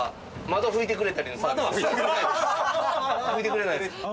窓は拭いてくれないです。